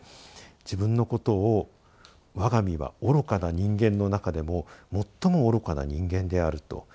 自分のことを「我が身は愚かな人間の中でも最も愚かな人間である」と。